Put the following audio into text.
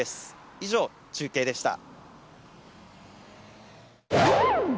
以上、中継でした。